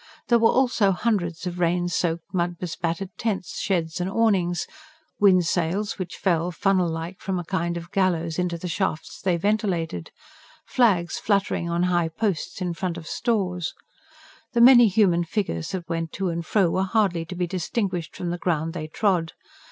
There were also hundreds of rain soaked, mud bespattered tents, sheds and awnings; wind sails, which fell, funnel like, from a kind of gallows into the shafts they ventilated; flags fluttering on high posts in front of stores. The many human figures that went to and fro were hardly to be distinguished from the ground they trod.